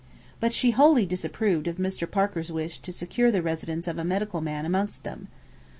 But she wholly disapproved of Mr. Parker's wish to secure the residence of a medical man amongst them.